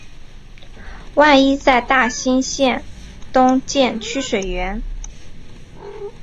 万炜在大兴县东建曲水园。